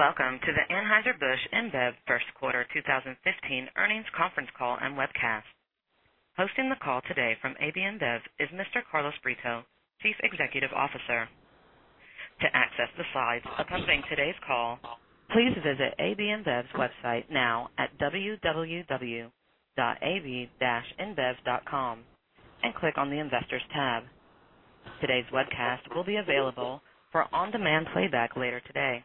Welcome to the Anheuser-Busch InBev first quarter 2015 earnings conference call and webcast. Hosting the call today from AB InBev is Mr. Carlos Brito, Chief Executive Officer. To access the slides accompanying today's call, please visit AB InBev's website now at www.ab-inbev.com and click on the Investors tab. Today's webcast will be available for on-demand playback later today.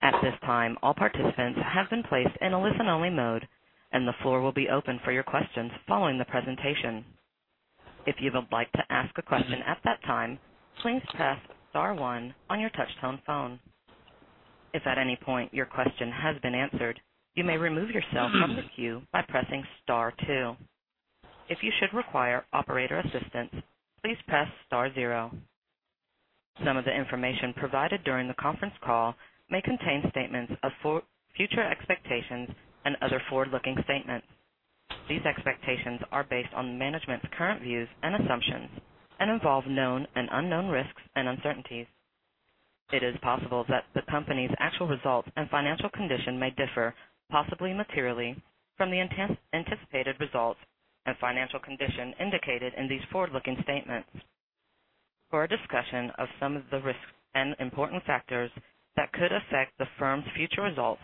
At this time, all participants have been placed in a listen-only mode, and the floor will be open for your questions following the presentation. If you would like to ask a question at that time, please press star one on your touch-tone phone. If at any point your question has been answered, you may remove yourself from the queue by pressing star two. If you should require operator assistance, please press star zero. Some of the information provided during the conference call may contain statements of future expectations and other forward-looking statements. These expectations are based on management's current views and assumptions and involve known and unknown risks and uncertainties. It is possible that the company's actual results and financial condition may differ, possibly materially, from the anticipated results and financial condition indicated in these forward-looking statements. For a discussion of some of the risks and important factors that could affect the firm's future results,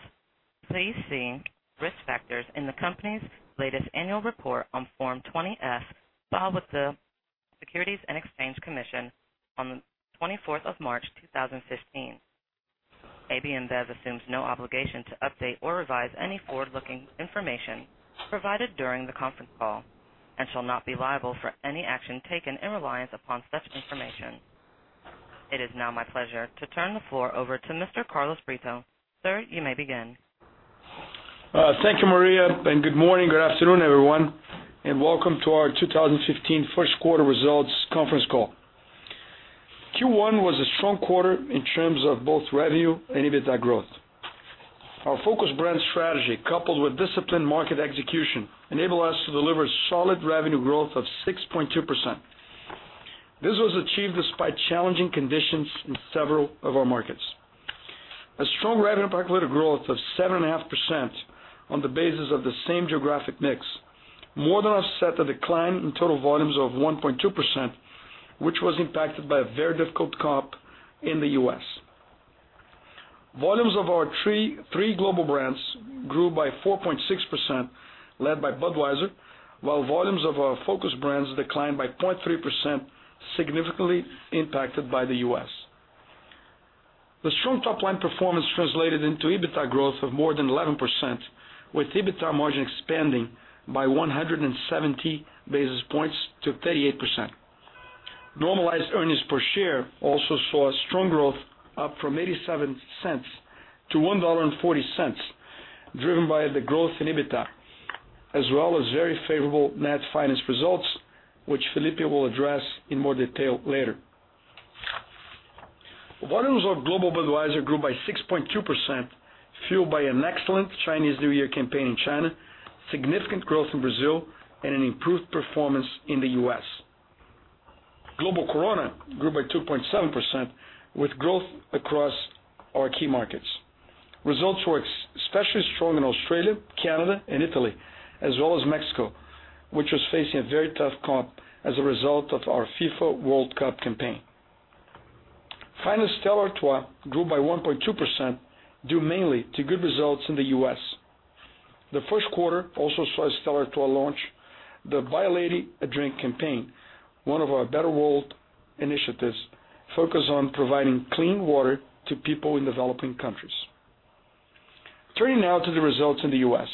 please see risk factors in the company's latest annual report on Form 20-F, filed with the Securities and Exchange Commission on the 24th of March 2015. AB InBev assumes no obligation to update or revise any forward-looking information provided during the conference call and shall not be liable for any action taken in reliance upon such information. It is now my pleasure to turn the floor over to Mr. Carlos Brito. Sir, you may begin. Thank you, Maria, and good morning. Good afternoon, everyone, and welcome to our 2015 first quarter results conference call. Q1 was a strong quarter in terms of both revenue and EBITDA growth. Our focused brand strategy, coupled with disciplined market execution, enabled us to deliver solid revenue growth of 6.2%. This was achieved despite challenging conditions in several of our markets. A strong revenue per hectoliter growth of 7.5% on the basis of the same geographic mix, more than offset the decline in total volumes of 1.2%, which was impacted by a very difficult comp in the U.S. Volumes of our three global brands grew by 4.6%, led by Budweiser, while volumes of our focused brands declined by 0.3%, significantly impacted by the U.S. The strong top-line performance translated into EBITDA growth of more than 11%, with EBITDA margin expanding by 170 basis points to 38%. Normalized earnings per share also saw a strong growth up from $0.87 to $1.40, driven by the growth in EBITDA, as well as very favorable net finance results, which Felipe will address in more detail later. Volumes of global Budweiser grew by 6.2%, fueled by an excellent Chinese New Year campaign in China, significant growth in Brazil, and an improved performance in the U.S. Global Corona grew by 2.7%, with growth across our key markets. Results were especially strong in Australia, Canada, and Italy, as well as Mexico, which was facing a very tough comp as a result of our FIFA World Cup campaign. Finally, Stella Artois grew by 1.2%, due mainly to good results in the U.S. The first quarter also saw Stella Artois launch the Buy a Lady a Drink campaign, one of our Better World initiatives focused on providing clean water to people in developing countries. Turning now to the results in the U.S.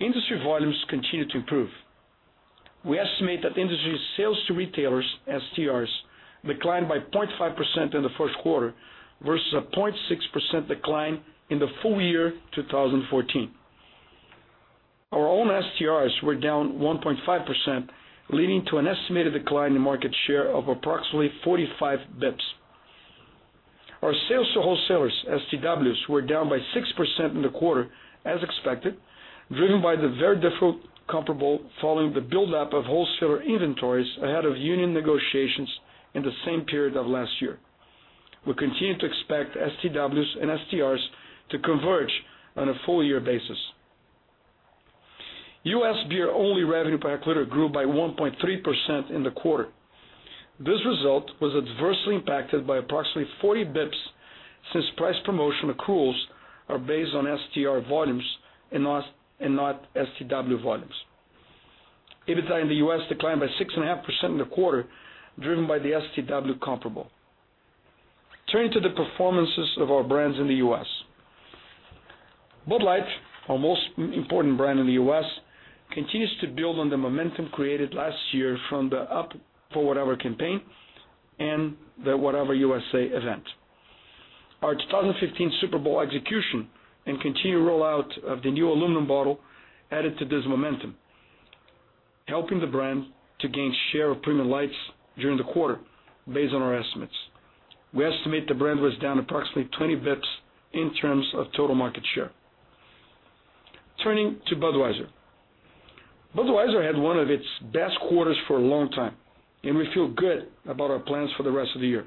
Industry volumes continue to improve. We estimate that the industry's Sales to Retailers, STRs, declined by 0.5% in the first quarter versus a 0.6% decline in the full year 2014. Our own STRs were down 1.5%, leading to an estimated decline in market share of approximately 45 bps. Our Sales to Wholesalers, STWs, were down by 6% in the quarter, as expected, driven by the very difficult comparable following the buildup of wholesaler inventories ahead of union negotiations in the same period of last year. We continue to expect STWs and STRs to converge on a full-year basis. U.S. beer-only revenue per hectoliter grew by 1.3% in the quarter. This result was adversely impacted by approximately 40 bps, since price promotion accruals are based on STR volumes and not STW volumes. EBITDA in the U.S. declined by 6.5% in the quarter, driven by the STW comparable. Turning to the performances of our brands in the U.S. Bud Light, our most important brand in the U.S., continues to build on the momentum created last year from the Up for Whatever campaign and the Whatever, U.S.A. event. Our 2015 Super Bowl execution and continued rollout of the new aluminum bottle added to this momentum, helping the brand to gain share of premium lights during the quarter, based on our estimates. We estimate the brand was down approximately 20 bps in terms of total market share. Turning to Budweiser. Budweiser had one of its best quarters for a long time, and we feel good about our plans for the rest of the year.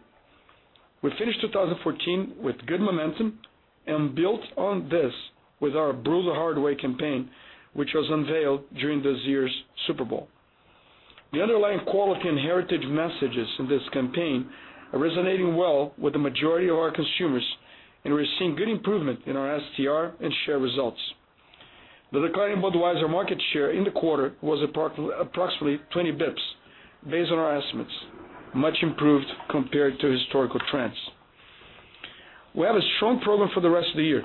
We finished 2014 with good momentum and built on this with our Brewed the Hard Way campaign, which was unveiled during this year's Super Bowl. The underlying quality and heritage messages in this campaign are resonating well with the majority of our consumers, and we're seeing good improvement in our STR and share results. The declining Budweiser market share in the quarter was approximately 20 bps, based on our estimates, much improved compared to historical trends. We have a strong program for the rest of the year,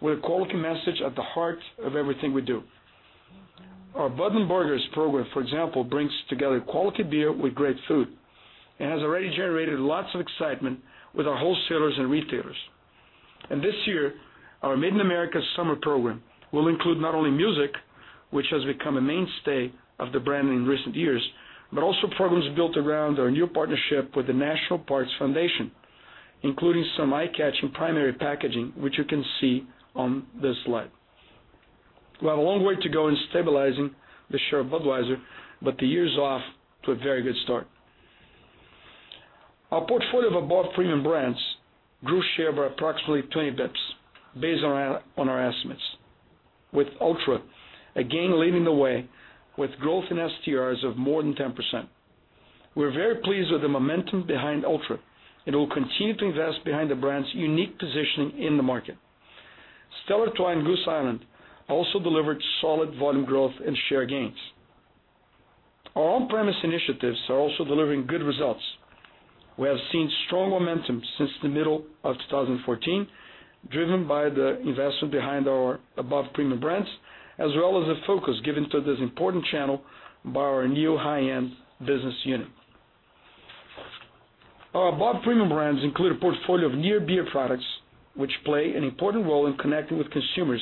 with a quality message at the heart of everything we do. Our Bud & Burgers program, for example, brings together quality beer with great food and has already generated lots of excitement with our wholesalers and retailers. This year, our Budweiser Made in America summer program will include not only music, which has become a mainstay of the brand in recent years, but also programs built around our new partnership with the National Park Foundation, including some eye-catching primary packaging, which you can see on this slide. We have a long way to go in stabilizing the share of Budweiser, but the year's off to a very good start. Our portfolio of Above Premium brands grew share of approximately 20 bps, based on our estimates, with Ultra again leading the way with growth in STRs of more than 10%. We're very pleased with the momentum behind Ultra, and we'll continue to invest behind the brand's unique positioning in the market. Stella Artois and Goose Island also delivered solid volume growth and share gains. Our on-premise initiatives are also delivering good results. We have seen strong momentum since the middle of 2014, driven by the investment behind our Above Premium brands, as well as the focus given to this important channel by our new high-end business unit. Our Above Premium brands include a portfolio of near-beer products, which play an important role in connecting with consumers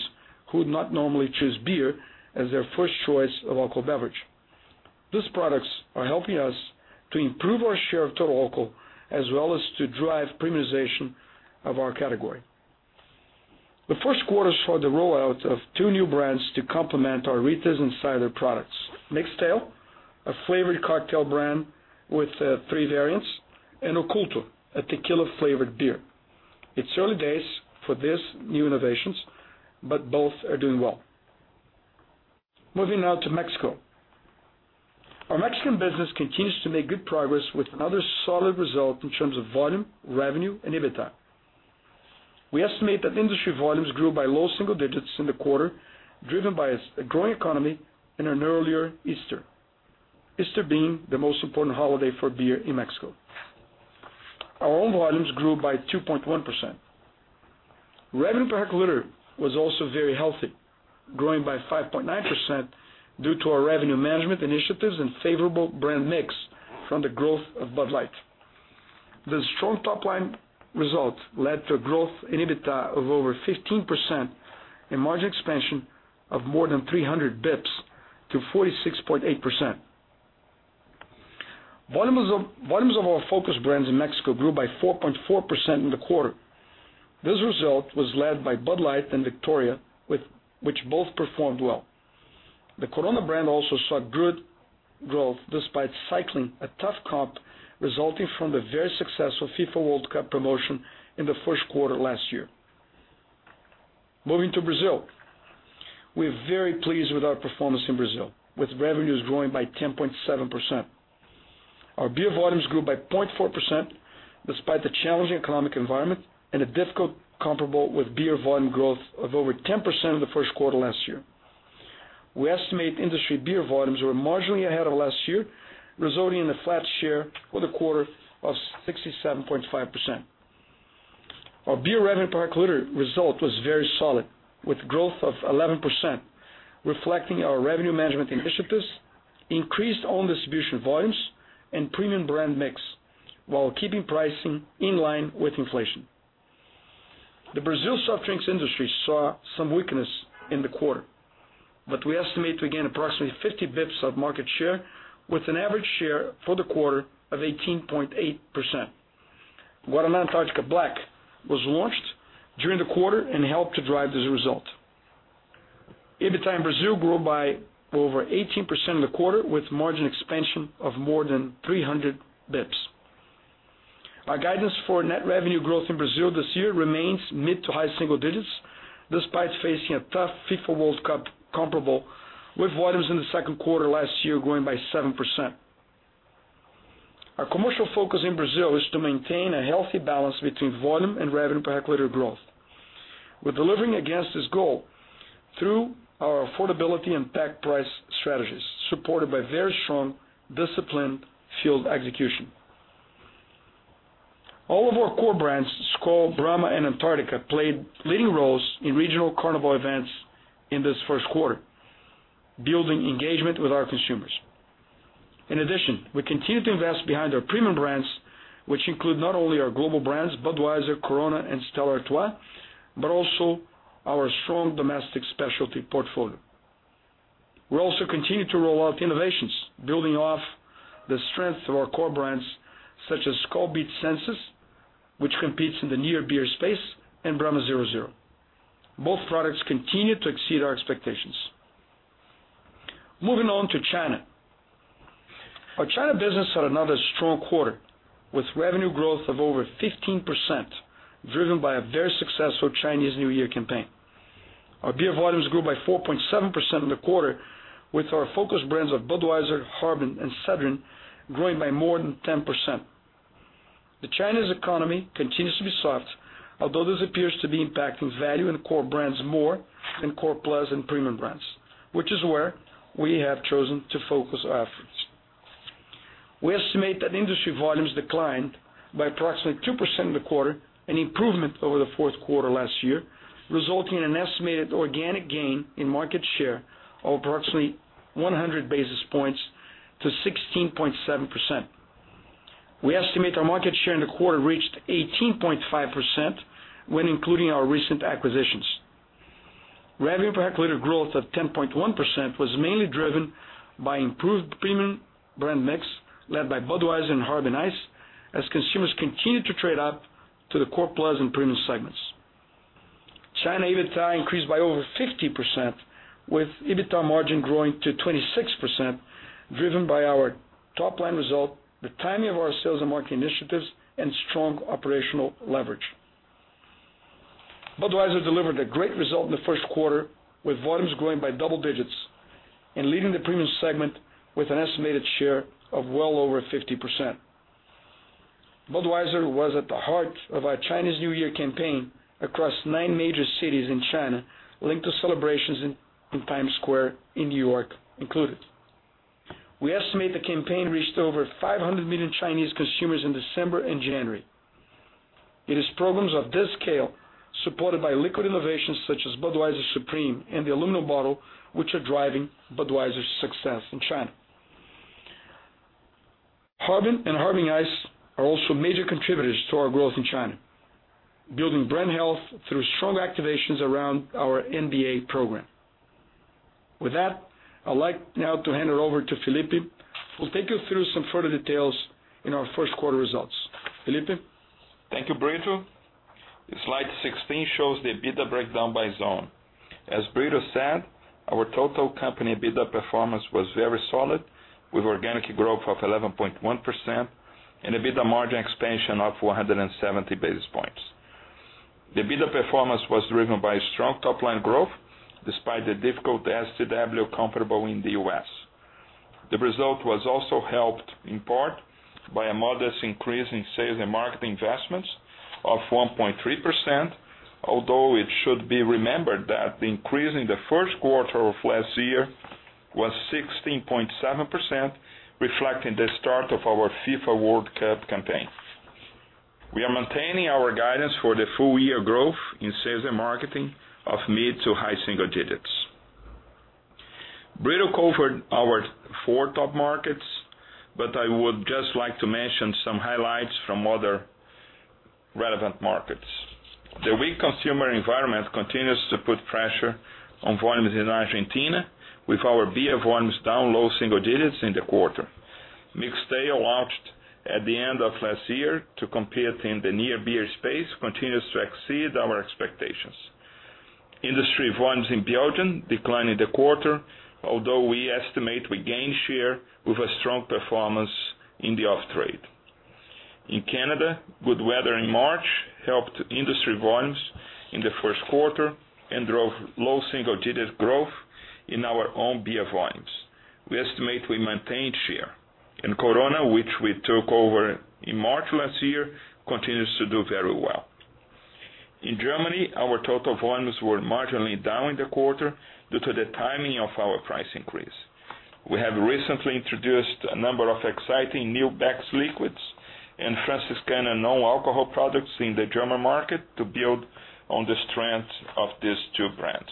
who would not normally choose beer as their first choice of alcohol beverage. These products are helping us to improve our share of total alcohol, as well as to drive premiumization of our category. The first quarter saw the rollout of two new brands to complement our ready-to-drink cider products. MIXXTAIL, a flavored cocktail brand with three variants, and Oculto, a tequila-flavored beer. It's early days for these new innovations, but both are doing well. Moving now to Mexico. Our Mexican business continues to make good progress with another solid result in terms of volume, revenue, and EBITDA. We estimate that industry volumes grew by low single digits in the quarter, driven by a growing economy and an earlier Easter. Easter being the most important holiday for beer in Mexico. Our own volumes grew by 2.1%. Revenue per hectoliter was also very healthy, growing by 5.9% due to our revenue management initiatives and favorable brand mix from the growth of Bud Light. The strong top-line results led to growth in EBITDA of over 15% and margin expansion of more than 300 basis points to 46.8%. Volumes of our focus brands in Mexico grew by 4.4% in the quarter. This result was led by Bud Light and Victoria, which both performed well. The Corona brand also saw good growth despite cycling a tough comp resulting from the very successful FIFA World Cup promotion in the first quarter last year. Moving to Brazil. We're very pleased with our performance in Brazil, with revenues growing by 10.7%. Our beer volumes grew by 0.4% despite the challenging economic environment and a difficult comparable with beer volume growth of over 10% in the first quarter last year. We estimate industry beer volumes were marginally ahead of last year, resulting in a flat share for the quarter of 67.5%. Our beer revenue per hectoliter result was very solid, with growth of 11%, reflecting our revenue management initiatives, increased own distribution volumes, and premium brand mix, while keeping pricing in line with inflation. The Brazil soft drinks industry saw some weakness in the quarter, but we estimate to gain approximately 50 basis points of market share, with an average share for the quarter of 18.8%. Guaraná Antarctica Black was launched during the quarter and helped to drive this result. EBITDA in Brazil grew by over 18% in the quarter, with margin expansion of more than 300 basis points. Our guidance for net revenue growth in Brazil this year remains mid to high single digits, despite facing a tough FIFA World Cup comparable with volumes in the second quarter last year growing by 7%. Our commercial focus in Brazil is to maintain a healthy balance between volume and revenue per hectoliter growth. We're delivering against this goal through our affordability and pack price strategies, supported by very strong, disciplined field execution. All of our core brands, Skol, Brahma, and Antarctica, played leading roles in regional Carnival events in this first quarter, building engagement with our consumers. In addition, we continue to invest behind our premium brands, which include not only our global brands, Budweiser, Corona, and Stella Artois, but also our strong domestic specialty portfolio. The strength of our core brands such as Skol Beats Senses, which competes in the near beer space, and Brahma 0.0%. Both products continue to exceed our expectations. Moving on to China. Our China business had another strong quarter, with revenue growth of over 15%, driven by a very successful Chinese New Year campaign. Our beer volumes grew by 4.7% in the quarter, with our focus brands of Budweiser, Harbin, and Sedrin growing by more than 10%. The Chinese economy continues to be soft, although this appears to be impacting value and core brands more than core plus and premium brands, which is where we have chosen to focus our efforts. We estimate that industry volumes declined by approximately 2% in the quarter, an improvement over the fourth quarter last year, resulting in an estimated organic gain in market share of approximately 100 basis points to 16.7%. We estimate our market share in the quarter reached 18.5% when including our recent acquisitions. Revenue per hectoliter growth of 10.1% was mainly driven by improved premium brand mix, led by Budweiser and Harbin Ice, as consumers continued to trade up to the core plus and premium segments. China EBITDA increased by over 50%, with EBITDA margin growing to 26%, driven by our top-line result, the timing of our sales and marketing initiatives, and strong operational leverage. Budweiser delivered a great result in the first quarter, with volumes growing by double digits and leading the premium segment with an estimated share of well over 50%. Budweiser was at the heart of our Chinese New Year campaign across nine major cities in China, linked to celebrations in Times Square in New York included. We estimate the campaign reached over 500 million Chinese consumers in December and January. It is programs of this scale, supported by liquid innovations such as Budweiser Supreme and the aluminum bottle, which are driving Budweiser's success in China. Harbin and Harbin Ice are also major contributors to our growth in China, building brand health through strong activations around our NBA program. With that, I'd like now to hand it over to Felipe, who will take you through some further details in our first quarter results. Felipe? Thank you, Brito. Slide 16 shows the EBITDA breakdown by zone. As Brito said, our total company EBITDA performance was very solid, with organic growth of 11.1% and EBITDA margin expansion of 170 basis points. The EBITDA performance was driven by strong top-line growth despite the difficult STW comparable in the U.S. The result was also helped in part by a modest increase in sales and marketing investments of 1.3%, although it should be remembered that the increase in the first quarter of last year was 16.7%, reflecting the start of our FIFA World Cup campaign. We are maintaining our guidance for the full year growth in sales and marketing of mid to high single digits. Brito covered our four top markets, but I would just like to mention some highlights from other relevant markets. The weak consumer environment continues to put pressure on volumes in Argentina, with our beer volumes down low single digits in the quarter. Mixtail launched at the end of last year to compete in the near beer space continues to exceed our expectations. Industry volumes in Belgium declined in the quarter, although we estimate we gained share with a strong performance in the off-trade. In Canada, good weather in March helped industry volumes in the first quarter and drove low single-digit growth in our own beer volumes. We estimate we maintained share. Corona, which we took over in March last year, continues to do very well. In Germany, our total volumes were marginally down in the quarter due to the timing of our price increase. We have recently introduced a number of exciting new Beck's liquids and Franziskaner non-alcohol products in the German market to build on the strength of these two brands.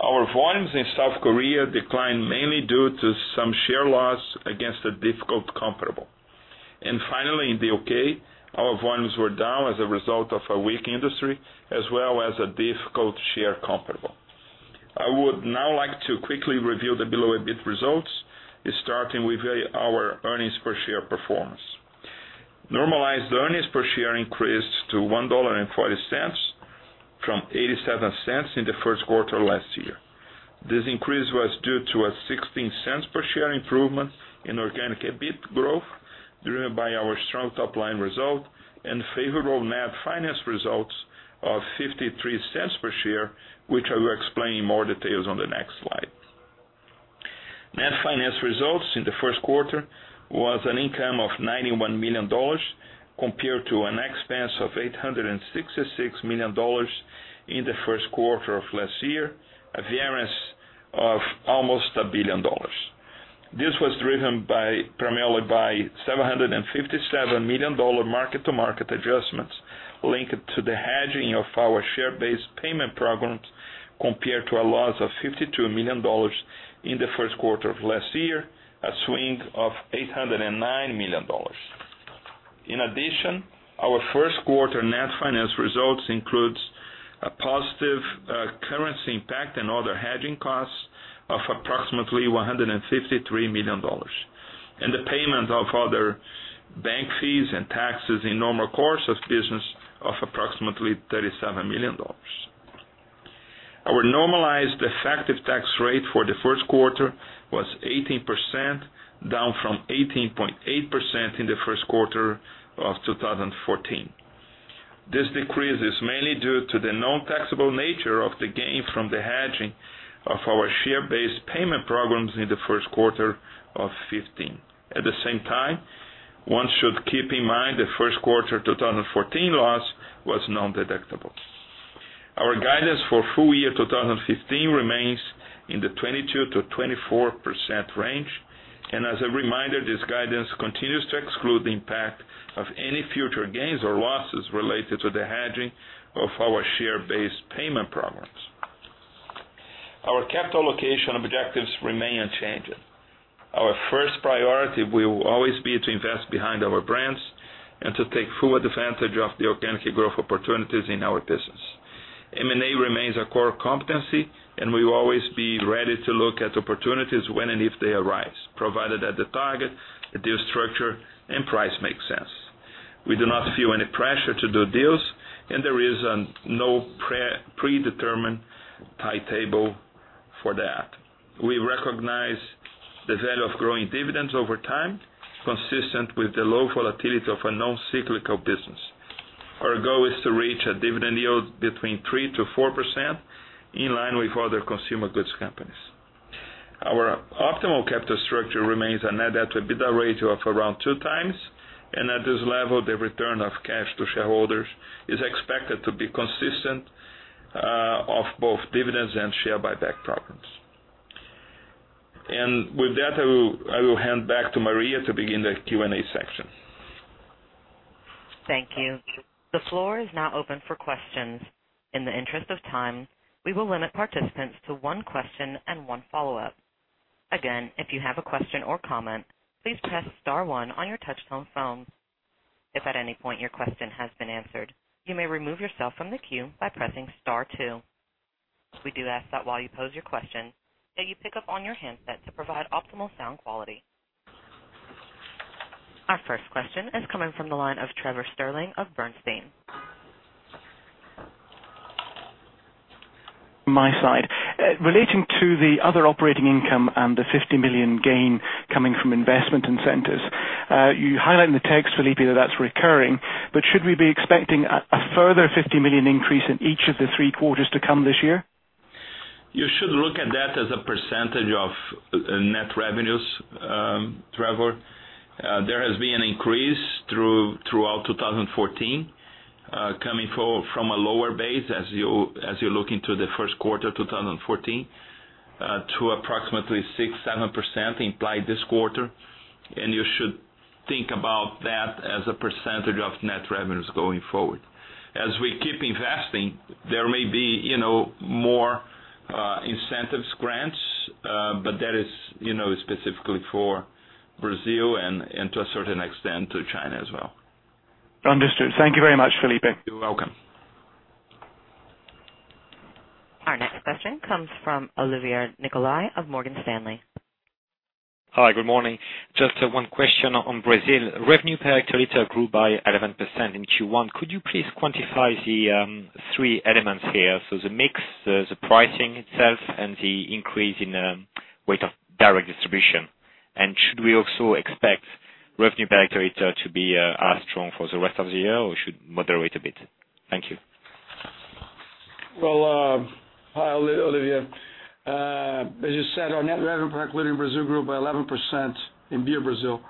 Our volumes in South Korea declined mainly due to some share loss against a difficult comparable. Finally, in the U.K., our volumes were down as a result of a weak industry as well as a difficult share comparable. I would now like to quickly review the below EBIT results, starting with our earnings per share performance. Normalized earnings per share increased to $1.40 from $0.87 in the first quarter last year. This increase was due to a $0.16 per share improvement in organic EBIT growth, driven by our strong top-line result and favorable net finance results of $0.53 per share, which I will explain in more details on the next slide. Net finance results in the first quarter was an income of $91 million compared to an expense of $866 million in the first quarter of last year, a variance of almost $1 billion. This was driven primarily by a $757 million mark-to-market adjustments linked to the hedging of our share-based payment programs, compared to a loss of $52 million in the first quarter of last year, a swing of $809 million. Our first quarter net finance results includes a positive currency impact and other hedging costs of approximately $153 million. The payment of other bank fees and taxes in normal course of business of approximately $37 million. Our normalized effective tax rate for the first quarter was 18%, down from 18.8% in the first quarter of 2014. This decrease is mainly due to the non-taxable nature of the gain from the hedging of our share-based payment programs in the first quarter of 2015. At the same time, one should keep in mind the first quarter 2014 loss was non-deductible. Our guidance for full year 2015 remains in the 22%-24% range. As a reminder, this guidance continues to exclude the impact of any future gains or losses related to the hedging of our share-based payment programs. Our capital allocation objectives remain unchanged. Our first priority will always be to invest behind our brands and to take full advantage of the organic growth opportunities in our business. M&A remains a core competency, and we will always be ready to look at opportunities when and if they arise, provided that the target, the deal structure, and price make sense. We do not feel any pressure to do deals. There is no predetermined timetable for that. We recognize the value of growing dividends over time, consistent with the low volatility of a non-cyclical business. Our goal is to reach a dividend yield between 3%-4%, in line with other consumer goods companies. Our optimal capital structure remains a net debt to EBITDA ratio of around 2 times. At this level, the return of cash to shareholders is expected to be consistent of both dividends and share buyback programs. With that, I will hand back to Maria to begin the Q&A section. Thank you. The floor is now open for questions. In the interest of time, we will limit participants to one question and one follow-up. Again, if you have a question or comment, please press star one on your touch-tone phone. If at any point your question has been answered, you may remove yourself from the queue by pressing star two. We do ask that while you pose your question, that you pick up on your handset to provide optimal sound quality. Our first question is coming from the line of Trevor Stirling of Bernstein. My side. Relating to the other operating income and the $50 million gain coming from investment incentives, you highlight in the text, Felipe, that that's recurring. Should we be expecting a further $50 million increase in each of the three quarters to come this year? You should look at that as a percentage of net revenues, Trevor. There has been an increase throughout 2014, coming from a lower base as you look into the first quarter 2014, to approximately 6%, 7% implied this quarter. You should think about that as a percentage of net revenues going forward. As we keep investing, there may be more incentives grants. That is specifically for Brazil and to a certain extent, to China as well. Understood. Thank you very much, Felipe. You're welcome. Our next question comes from Olivier Nicolai of Morgan Stanley. Hi, good morning. Just one question on Brazil. Revenue per hectoliter grew by 11% in Q1. Could you please quantify the three elements here? The mix, the pricing itself, and the increase in rate of direct distribution. Should we also expect revenue per hectoliter to be as strong for the rest of the year, or should moderate a bit? Thank you. Well, hi, Olivier. As you said, our net revenue per hectoliter in Brazil grew by 11% in Beer, Brazil.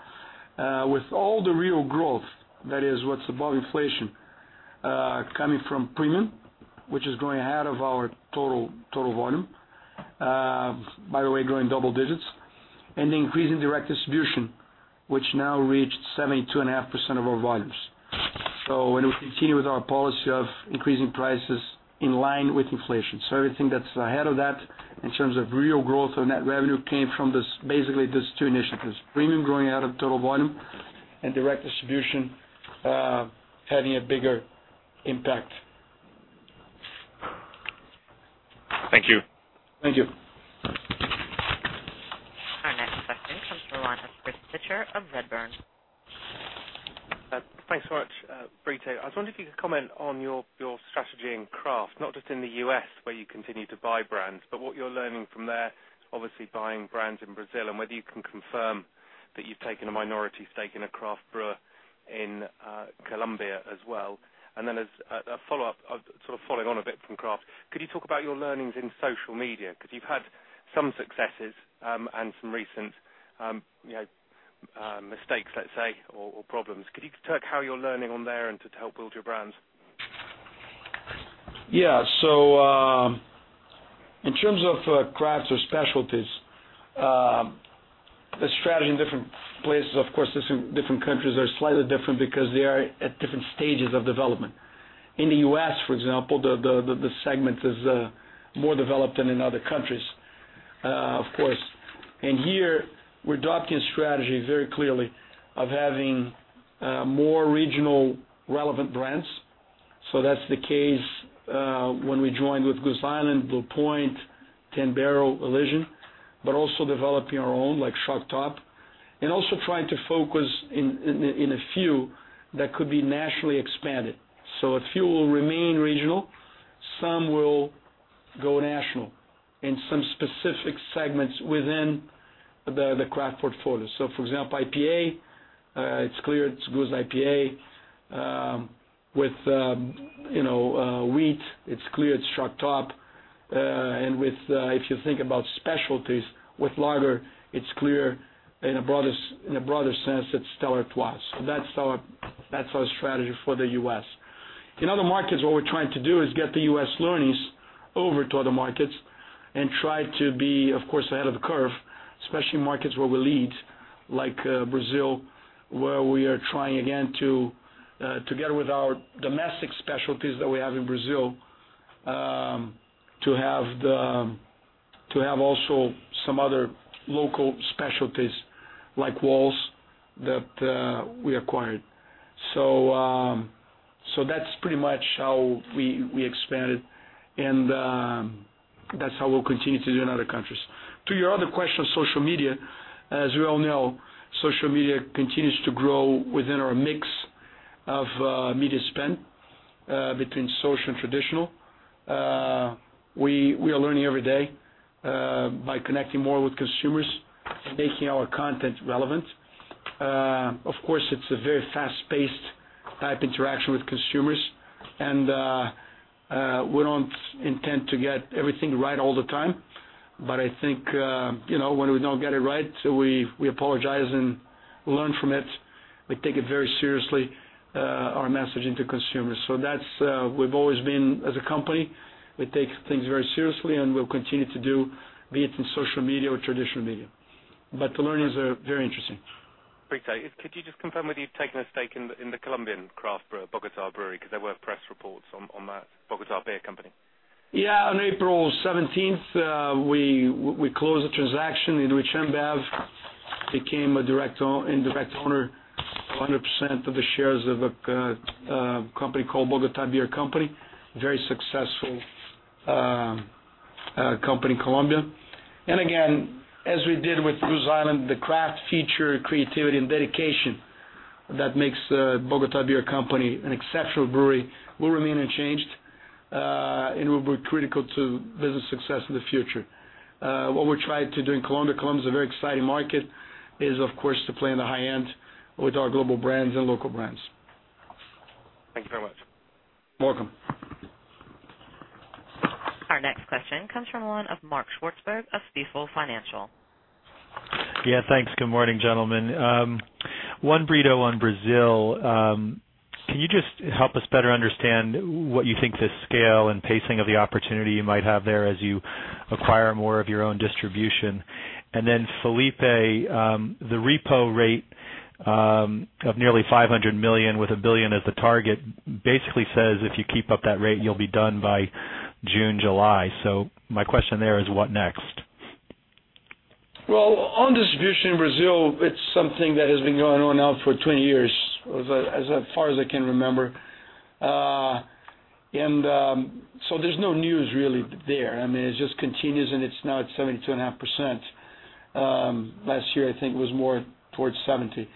With all the real growth, that is what's above inflation, coming from premium, which is growing ahead of our total volume. By the way, growing double digits. The increase in direct distribution, which now reached 72.5% of our volumes. When we continue with our policy of increasing prices in line with inflation, everything that's ahead of that, in terms of real growth or net revenue, came from basically those two initiatives, premium growing out of total volume and direct distribution having a bigger impact. Thank you. Thank you. Our next question comes from the line of Chris Pitcher of Redburn. Thanks so much. Brito, I was wondering if you could comment on your strategy in craft, not just in the U.S. where you continue to buy brands, but what you're learning from there, obviously buying brands in Brazil, and whether you can confirm that you've taken a minority stake in a craft brewer in Colombia as well. As a follow-up, sort of following on a bit from craft, could you talk about your learnings in social media? Because you've had some successes and some recent mistakes, let's say, or problems. Could you talk how you're learning on there and to help build your brands? Yeah. In terms of crafts or specialties, the strategy in different places, of course, different countries are slightly different because they are at different stages of development. In the U.S., for example, the segment is more developed than in other countries Of course. Here, we're adopting a strategy very clearly of having more regional relevant brands. That's the case when we joined with Goose Island, Blue Point, 10 Barrel, Elysian, developing our own like Shock Top, trying to focus in a few that could be nationally expanded. A few will remain regional, some will go national in some specific segments within the craft portfolio. For example, IPA, it's clear it's Goose IPA, with wheat, it's clear it's Shock Top. If you think about specialties with lager, it's clear in a broader sense, it's Stella Artois. That's our strategy for the U.S. In other markets, what we're trying to do is get the U.S. learnings over to other markets and try to be, of course, ahead of the curve, especially in markets where we lead, like Brazil, where we are trying again to together with our domestic specialties that we have in Brazil, to have also some other local specialties like Wäls that we acquired. That's pretty much how we expanded and that's how we'll continue to do in other countries. To your other question, social media, as we all know, social media continues to grow within our mix of media spend between social and traditional. We are learning every day, by connecting more with consumers and making our content relevant. Of course, it's a very fast-paced type interaction with consumers. We don't intend to get everything right all the time. I think, when we don't get it right, we apologize and learn from it. We take it very seriously, our messaging to consumers. We've always been, as a company, we take things very seriously and we'll continue to do, be it in social media or traditional media. The learnings are very interesting. Great. Could you just confirm whether you've taken a stake in the Colombian craft Bogota brewery? There were press reports on that Bogota Beer Company. On April 17th, we closed the transaction in which InBev became an indirect owner of 100% of the shares of a company called Bogota Beer Company, very successful company in Colombia. Again, as we did with Goose Island, the craft feature, creativity, and dedication that makes Bogota Beer Company an exceptional brewery will remain unchanged, and will be critical to business success in the future. What we're trying to do in Colombia is a very exciting market, is, of course, to play in the high end with our global brands and local brands. Thank you very much. Welcome. Our next question comes from the line of Mark Swartzberg of Stifel Financial. Yeah, thanks. Good morning, gentlemen. One, Brito, on Brazil. Can you just help us better understand what you think the scale and pacing of the opportunity you might have there as you acquire more of your own distribution? Felipe, the repo rate of nearly $500 million with $1 billion as the target basically says, if you keep up that rate, you'll be done by June, July. My question there is what next? Well, on distribution in Brazil, it's something that has been going on now for 20 years, as far as I can remember. There's no news really there. It just continues, and it's now at 72.5%. Last year, I think it was more towards 70.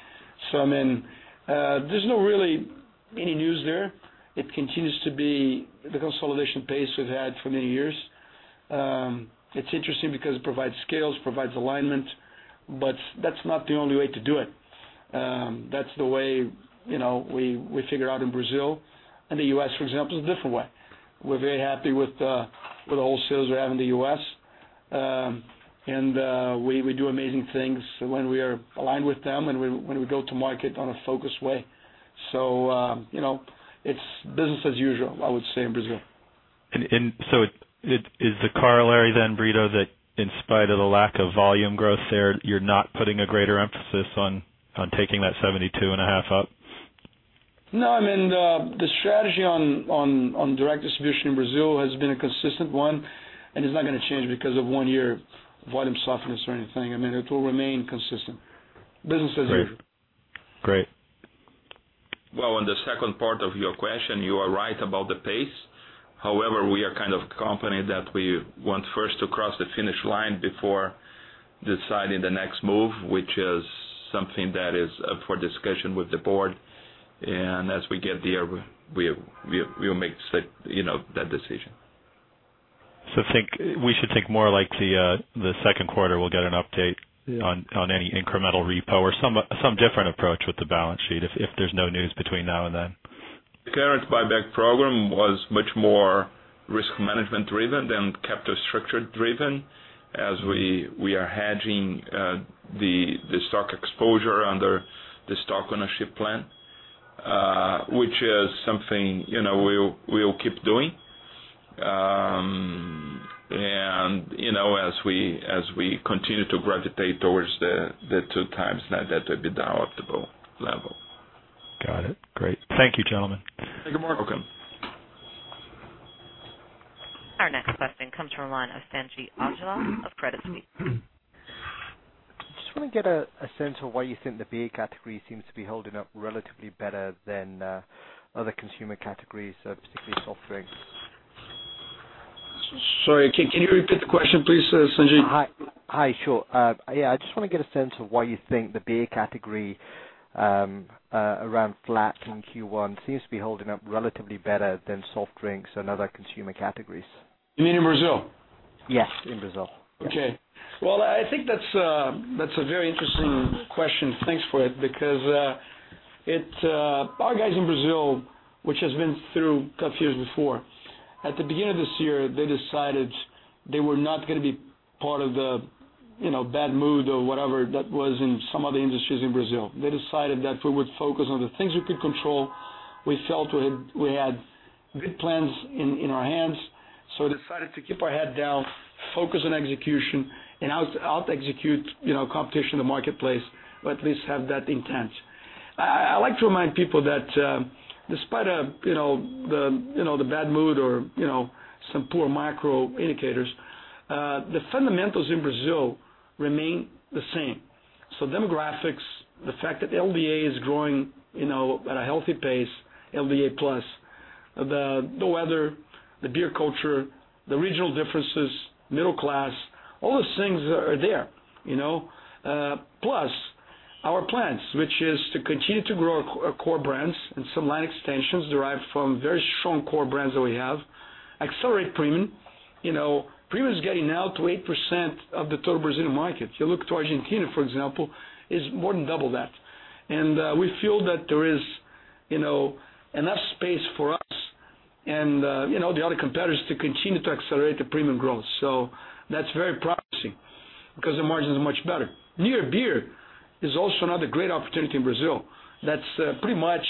There's not really any news there. It continues to be the consolidation pace we've had for many years. It's interesting because it provides scales, provides alignment, but that's not the only way to do it. That's the way we figured out in Brazil. In the U.S., for example, it's a different way. We're very happy with the wholesale we have in the U.S. We do amazing things when we are aligned with them and when we go to market in a focused way. It's business as usual, I would say, in Brazil. Is the corollary then, Brito, that in spite of the lack of volume growth there, you're not putting a greater emphasis on taking that 72 and a half up? No, the strategy on direct distribution in Brazil has been a consistent one, and it's not going to change because of one year volume softness or anything. It will remain consistent. Business as usual. Great. Well, on the second part of your question, you are right about the pace. However, we are the kind of company that we want first to cross the finish line before deciding the next move, which is something that is up for discussion with the board. As we get there, we'll make that decision. We should think more like the second quarter, we'll get an update- Yeah on any incremental repo or some different approach with the balance sheet if there's no news between now and then. The current buyback program was much more risk management driven than capital structure driven as we are hedging the stock exposure under the stock ownership plan, which is something we'll keep doing. As we continue to gravitate towards the two times net debt to EBITDA level. Got it. Great. Thank you, gentlemen. Thank you, Mark. Welcome. Our next question comes from the line of Sanjeet Aujla of Credit Suisse. Just want to get a sense of why you think the beer category seems to be holding up relatively better than other consumer categories, particularly soft drinks. Sorry, can you repeat the question, please, Sanjeet? Hi. Sure. Yeah, I just want to get a sense of why you think the beer category, around flat in Q1, seems to be holding up relatively better than soft drinks and other consumer categories. You mean in Brazil? Yes, in Brazil. Yes. Well, I think that's a very interesting question. Thanks for it, because our guys in Brazil, which has been through tough years before, at the beginning of this year, they decided they were not going to be part of the bad mood or whatever that was in some other industries in Brazil. They decided that we would focus on the things we could control. We felt we had good plans in our hands. decided to keep our head down, focus on execution, and out-execute competition in the marketplace, or at least have that intent. I like to remind people that, despite the bad mood or some poor macro indicators, the fundamentals in Brazil remain the same. Demographics, the fact that the LDA is growing at a healthy pace, LDA plus, the weather, the beer culture, the regional differences, middle class, all those things are there. Plus our plans, which is to continue to grow our core brands and some line extensions derived from very strong core brands that we have. Accelerate premium. Premium's getting now to 8% of the total Brazilian market. If you look to Argentina, for example, it's more than double that. We feel that there is enough space for us and the other competitors to continue to accelerate the premium growth. That's very promising, because the margins are much better. Near beer is also another great opportunity in Brazil, that's pretty much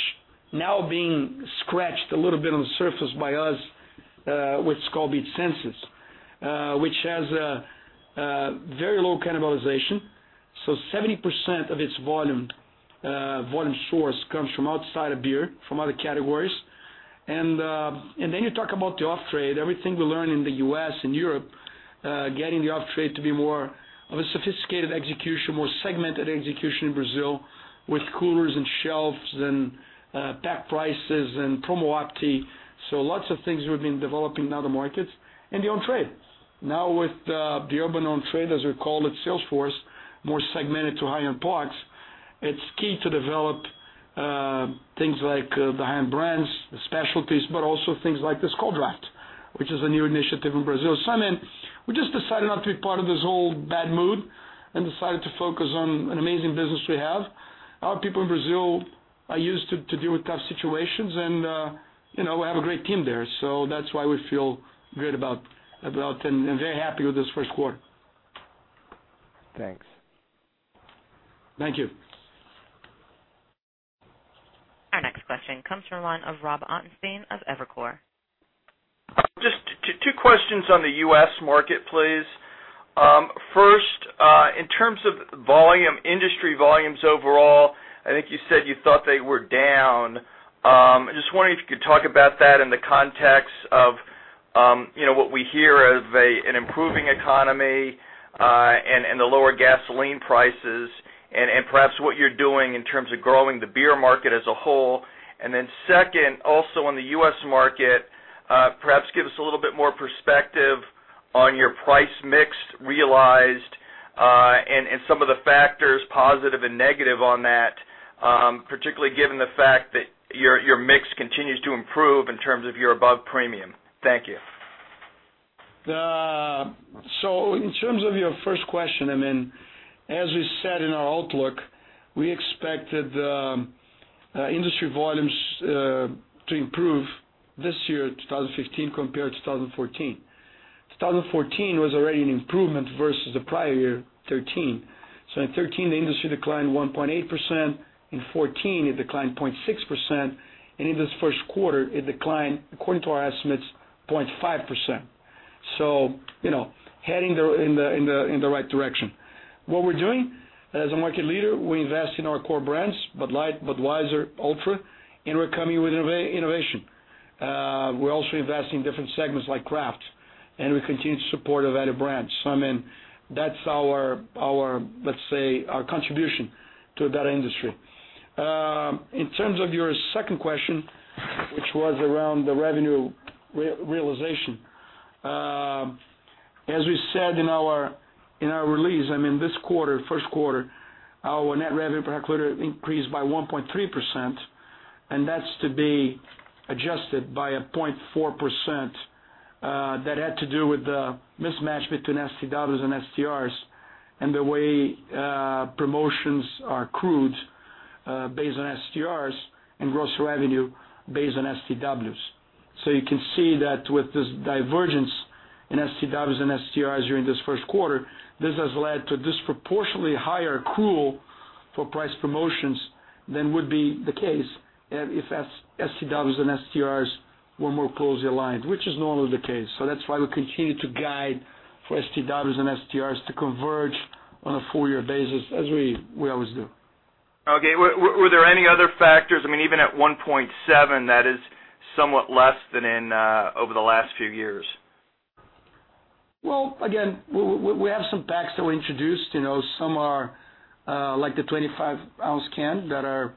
now being scratched a little bit on the surface by us, with Skol Beats Senses, which has very low cannibalization. 70% of its volume source comes from outside of beer, from other categories. You talk about the off-trade, everything we learn in the U.S. and Europe, getting the off-trade to be more of a sophisticated execution, more segmented execution in Brazil with coolers and shelves and pack prices and promo optimization. Lots of things we've been developing in other markets. The on-trade. Now with the urban on-trade, as we call it, sales force, more segmented to higher-end products, it's key to develop things like the high-end brands, the specialties, but also things like the Skol Draft, which is a new initiative in Brazil. I mean, we just decided not to be part of this whole bad mood and decided to focus on an amazing business we have. Our people in Brazil are used to deal with tough situations and we have a great team there. That's why we feel good about and very happy with this first quarter. Thanks. Thank you. Our next question comes from the line of Robert Ottenstein of Evercore ISI. Two questions on the U.S. market, please. First, in terms of industry volumes overall, I think you said you thought they were down. Just wondering if you could talk about that in the context of what we hear of an improving economy, and the lower gasoline prices and perhaps what you're doing in terms of growing the beer market as a whole. Then second, also in the U.S. market, perhaps give us a little bit more perspective on your price mix realized, and some of the factors, positive and negative on that, particularly given the fact that your mix continues to improve in terms of your above premium. Thank you. In terms of your first question, as we said in our outlook, we expected industry volumes to improve this year, 2015, compared to 2014. 2014 was already an improvement versus the prior year, 2013. In 2013, the industry declined 1.8%. In 2014, it declined 0.6%, and in this first quarter, it declined, according to our estimates, 0.5%. Heading in the right direction. What we're doing, as a market leader, we invest in our core brands, Bud Light, Budweiser, Ultra, and we're coming with innovation. We're also investing in different segments like craft, and we continue to support our value brands. I mean, that's our, let's say, our contribution to a better industry. In terms of your second question, which was around the revenue realization. As we said in our release, this quarter, first quarter, our net revenue per hectoliter increased by 1.3%, and that's to be adjusted by a 0.4% that had to do with the mismatch between STWs and STRs, and the way promotions are accrued, based on STRs and gross revenue based on STWs. You can see that with this divergence in STWs and STRs during this first quarter, this has led to disproportionately higher accrual for price promotions than would be the case if STWs and STRs were more closely aligned, which is normal. We'll continue to guide for STWs and STRs to converge on a full year basis, as we always do. Okay. Were there any other factors? Even at 1.7%, that is somewhat less than over the last few years. Well, again, we have some packs that were introduced. Some are like the 25-ounce can that are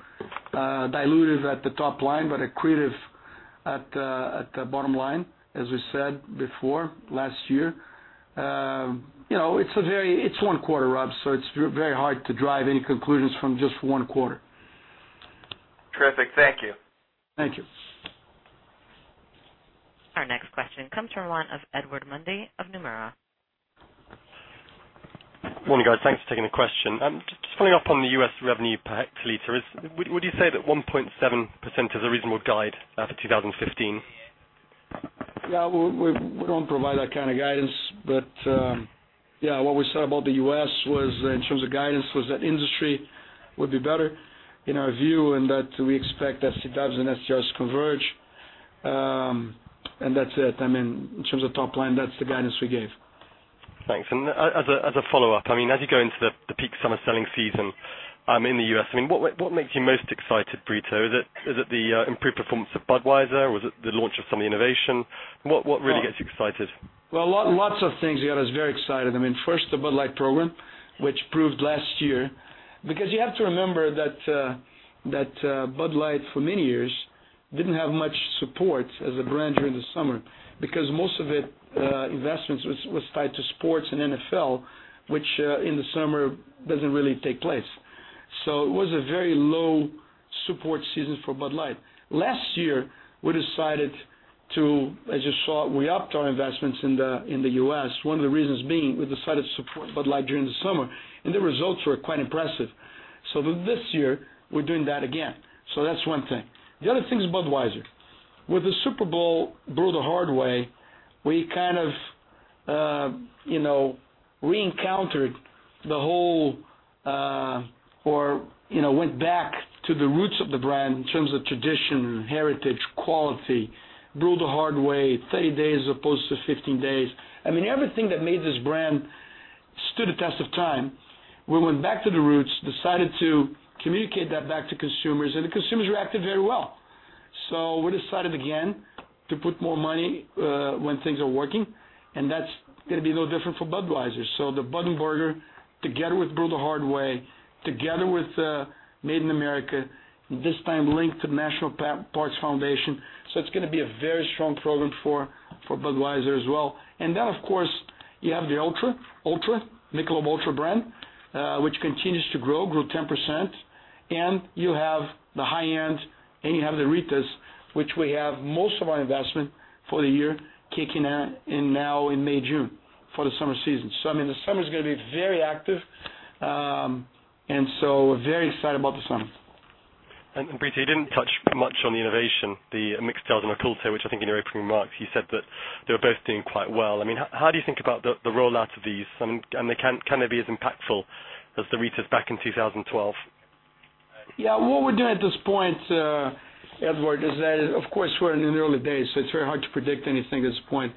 diluted at the top line, but accretive at the bottom line, as we said before, last year. It's one quarter, Rob, it's very hard to drive any conclusions from just one quarter. Terrific. Thank you. Thank you. Our next question comes from the line of Edward Mundy of Nomura. Morning, guys. Thanks for taking the question. Just following up on the U.S. revenue per hectoliter, would you say that 1.7% is a reasonable guide for 2015? We don't provide that kind of guidance. Yeah, what we said about the U.S., in terms of guidance, was that industry would do better in our view, and that we expect that STWs and STRs converge. That's it. In terms of top line, that's the guidance we gave. Thanks. As a follow-up, as you go into the peak summer selling season in the U.S., what makes you most excited, Brito? Is it the improved performance of Budweiser, or is it the launch of some of the innovation? What really gets you excited? Well, lots of things got us very excited. First, the Bud Light program, which proved last year. You have to remember that Bud Light, for many years, didn't have much support as a brand during the summer. Most of its investments was tied to sports and NFL, which in the summer doesn't really take place. It was a very low support season for Bud Light. Last year, we decided to, as you saw, we upped our investments in the U.S. One of the reasons being, we decided to support Bud Light during the summer, the results were quite impressive. This year, we're doing that again. That's one thing. The other thing is Budweiser. With the Super Bowl Brew the Hard Way, we kind of reencountered the whole or went back to the roots of the brand in terms of tradition, heritage, quality. Brew the Hard Way, 30 days as opposed to 15 days. Everything that made this brand stood the test of time. We went back to the roots, decided to communicate that back to consumers, the consumers reacted very well. We decided again to put more money when things are working, that's going to be no different for Budweiser. The Bud & Burgers, together with Brew the Hard Way, together with Made in America, this time linked to the National Park Foundation. It's going to be a very strong program for Budweiser as well. Then, of course, you have the Ultra, Michelob Ultra brand, which continues to grow, grew 10%. You have the high-end and you have the Ritas, which we have most of our investment for the year kicking in now in May, June for the summer season. The summer's going to be very active, and so we're very excited about the summer. Brito, you didn't touch much on the innovation, the MIXXTAIL and Oculto, which I think in your opening remarks you said that they were both doing quite well. How do you think about the rollout of these, and can they be as impactful as the Ritas back in 2012? What we're doing at this point, Edward, is that, of course, we're in the early days, so it's very hard to predict anything at this point.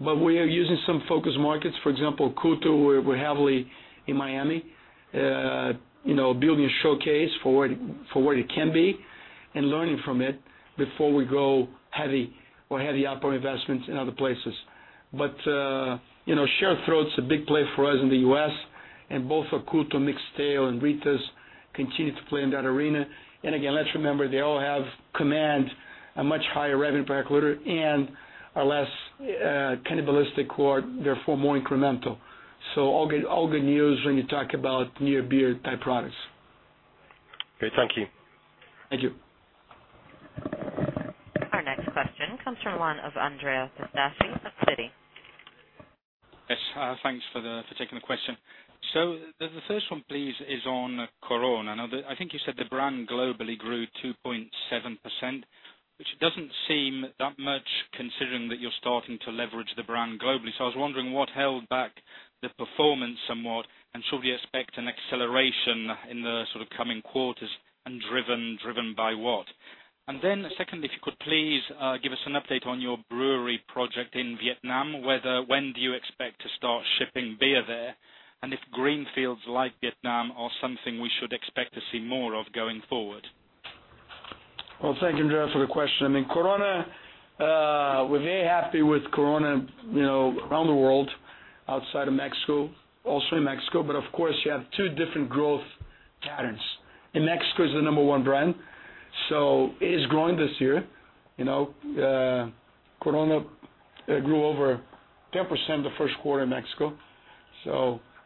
We are using some focus markets. For example, Oculto, we're heavily in Miami building a showcase for where it can be and learning from it before we go heavy or heavy up our investments in other places. Share of throat is a big play for us in the U.S. and both Oculto, MIXXTAIL, and Ritas continue to play in that arena. Again, let's remember, they all have command a much higher revenue per hectoliter and are less cannibalistic or therefore more incremental. All good news when you talk about near beer type products. Great. Thank you. Thank you. Our next question comes from the line of Andrea Pistacchi of Citi. Yes. Thanks for taking the question. The first one, please, is on Corona. I think you said the brand globally grew 2.7%, which doesn't seem that much considering that you're starting to leverage the brand globally. I was wondering what held back the performance somewhat, and should we expect an acceleration in the coming quarters and driven by what? Secondly, if you could please give us an update on your brewery project in Vietnam, when do you expect to start shipping beer there? And if greenfields like Vietnam are something we should expect to see more of going forward. Well, thank you, Andrea, for the question. We're very happy with Corona around the world, outside of Mexico, also in Mexico. Of course, you have two different growth patterns. In Mexico, it's the number one brand, so it is growing this year. Corona grew over 10% the first quarter in Mexico.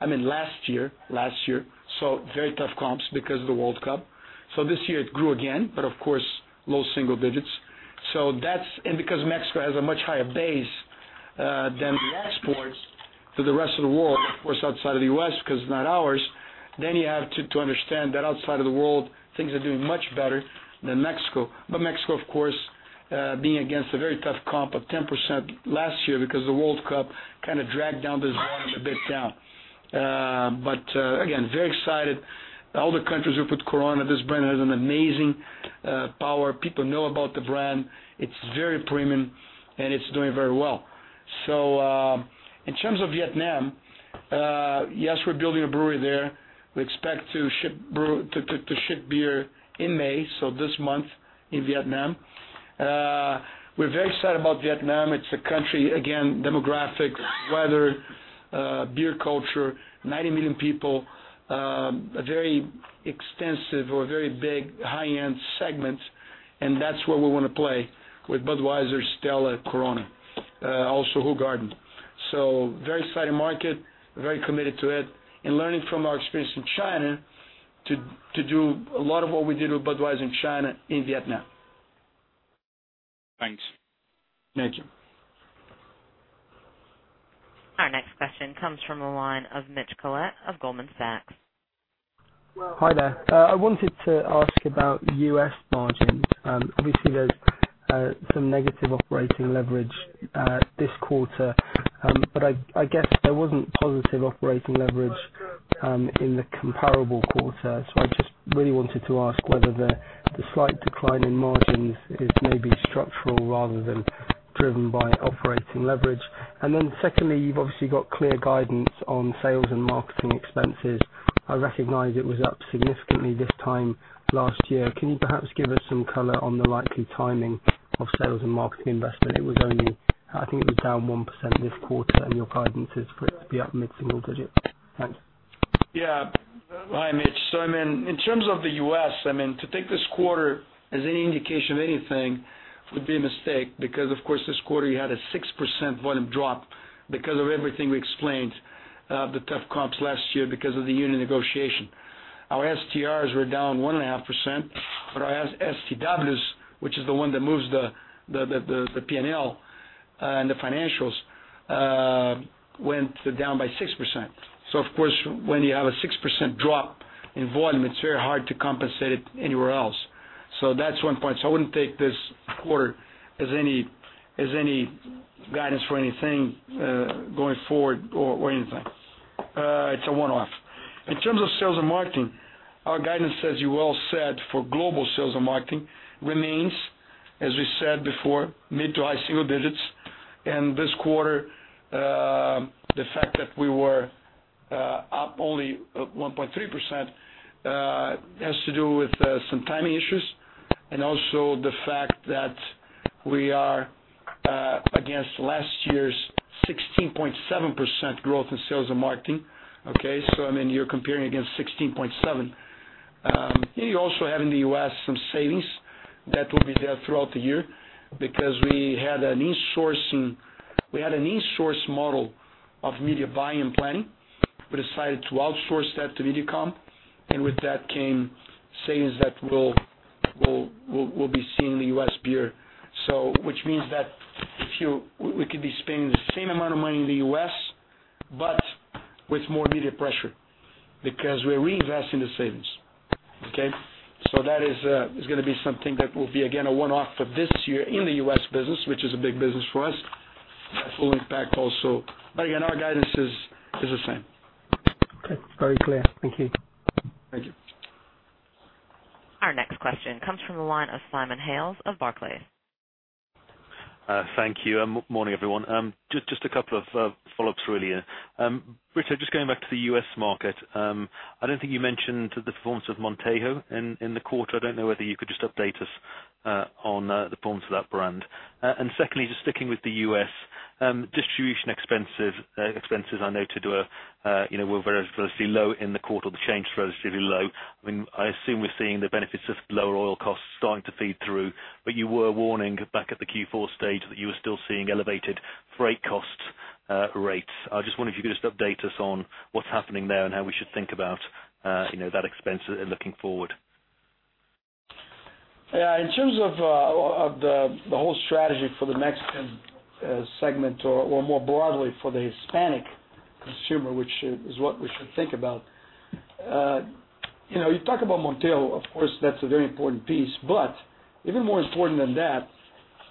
I mean, last year. Very tough comps because of the World Cup. This year it grew again, but of course, low single digits. Because Mexico has a much higher base than the exports for the rest of the world, of course, outside of the U.S., because it's not ours, then you have to understand that outside of the world, things are doing much better than Mexico. Mexico, of course, being against a very tough comp of 10% last year because of the World Cup Kind of dragged down this volume a bit down. Again, very excited. All the countries we put Corona, this brand has an amazing power. People know about the brand. It's very premium and it's doing very well. In terms of Vietnam, yes, we're building a brewery there. We expect to ship beer in May, this month in Vietnam. We're very excited about Vietnam. It's a country, again, demographic, weather, beer culture, 90 million people, a very extensive or very big high-end segment, and that's where we want to play with Budweiser, Stella, Corona, also Hoegaarden. Very exciting market. Very committed to it and learning from our experience in China to do a lot of what we did with Budweiser in China, in Vietnam. Thanks. Thank you. Our next question comes from the line of Mitch Collett of Goldman Sachs. Hi there. I wanted to ask about U.S. margins. Obviously, there's some negative operating leverage this quarter. I guess there wasn't positive operating leverage in the comparable quarter. I just really wanted to ask whether the slight decline in margins is maybe structural rather than driven by operating leverage. Then secondly, you've obviously got clear guidance on sales and marketing expenses. I recognize it was up significantly this time last year. Can you perhaps give us some color on the likely timing of sales and marketing investment? It was only, I think it was down 1% this quarter, and your guidance is for it to be up mid-single digits. Thanks. Hi, Mitch. In terms of the U.S., to take this quarter as any indication of anything would be a mistake because this quarter you had a 6% volume drop because of everything we explained, the tough comps last year because of the union negotiation. Our STRs were down 1.5%, our STWs, which is the one that moves the P&L and the financials, went down by 6%. When you have a 6% drop in volume, it's very hard to compensate it anywhere else. That's one point. I wouldn't take this quarter as any guidance for anything, going forward or anything. It's a one-off. In terms of sales and marketing, our guidance, as you well said, for global sales and marketing remains, as we said before, mid to high single digits. This quarter, the fact that we were up only 1.3%, has to do with some timing issues and also the fact that we are against last year's 16.7% growth in sales and marketing. Okay. You're comparing against 16.7. You also have in the U.S. some savings that will be there throughout the year because we had an in-source model of media buy and planning. We decided to outsource that to MediaCom, and with that came savings that we'll be seeing in the U.S. beer. Which means that we could be spending the same amount of money in the U.S., but with more media pressure because we're reinvesting the savings. Okay. That is going to be something that will be, again, a one-off for this year in the U.S. business, which is a big business for us. That will impact also. Again, our guidance is the same. Okay. Very clear. Thank you. Thank you. Our next question comes from the line of Simon Hales of Barclays. Thank you. Morning, everyone. Just a couple of follow-ups really. Brito, just going back to the U.S. market, I don't think you mentioned the performance of Montejo in the quarter. I don't know whether you could just update us on the performance of that brand. Secondly, just sticking with the U.S., distribution expenses I know were relatively low in the quarter. The change was relatively low. I assume we're seeing the benefits of lower oil costs starting to feed through. You were warning back at the Q4 stage that you were still seeing elevated freight cost rates. I just wonder if you could just update us on what's happening there and how we should think about that expense looking forward. Yeah. In terms of the whole strategy for the Mexican segment or more broadly for the Hispanic consumer, which is what we should think about. You talk about Montejo, of course, that's a very important piece, but even more important than that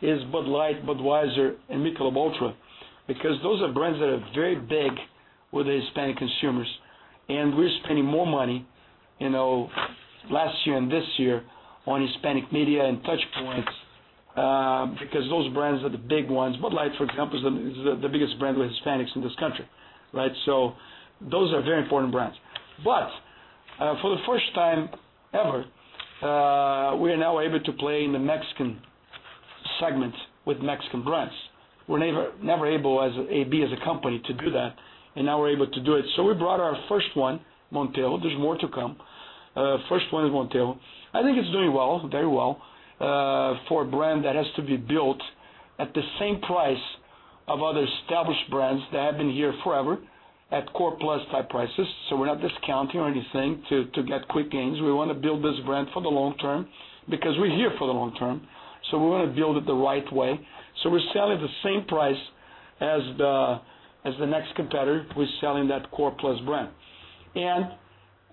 is Bud Light, Budweiser, and Michelob ULTRA, because those are brands that are very big with the Hispanic consumers, and we're spending more money, last year and this year on Hispanic media and touchpoints, because those brands are the big ones. Bud Light, for example, is the biggest brand with Hispanics in this country, right? Those are very important brands. For the first time ever, we are now able to play in the Mexican segment with Mexican brands. We're never able as AB, as a company to do that, and now we're able to do it. We brought our first one, Montejo. There's more to come. First one is Montejo. I think it's doing well, very well, for a brand that has to be built at the same price of other established brands that have been here forever at core plus type prices. We're not discounting or anything to get quick gains. We want to build this brand for the long term because we're here for the long term. We want to build it the right way. We're selling at the same price as the next competitor who is selling that core plus brand.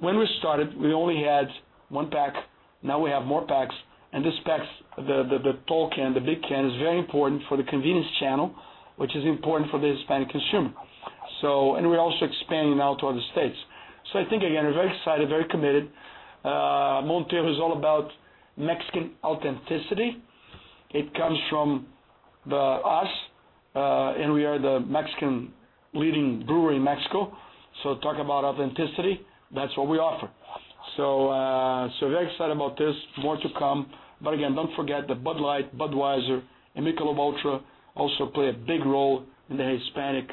When we started, we only had one pack. Now we have more packs. These packs, the tall can, the big can, is very important for the convenience channel, which is important for the Hispanic consumer. We're also expanding now to other states. I think, again, we're very excited, very committed. Montejo is all about Mexican authenticity. It comes from us, we are the Mexican leading brewery in Mexico. Talk about authenticity, that's what we offer. Very excited about this. More to come. Again, don't forget that Bud Light, Budweiser, and Michelob ULTRA also play a big role in the Hispanic